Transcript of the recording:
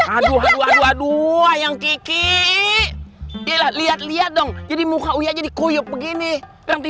aduh aduh aduh aduh yang kiki lihat lihat dong jadi muka uya jadi kuyuk begini nanti